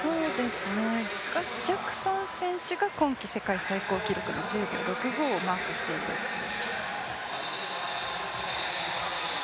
しかしジャクソン選手が今季世界最高記録の１０秒６５をマークしていますね。